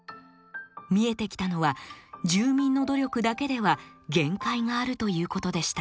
見えてきたのは住民の努力だけでは限界があるということでした。